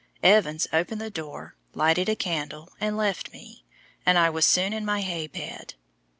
Evans opened the door, lighted a candle, and left me, and I was soon in my hay bed.